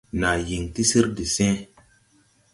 Naa yiŋ ti sir de see.